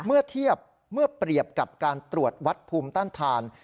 เมื่อเทียบเมื่อเปรียบกับการตรวจวัดภูมิต้านทาน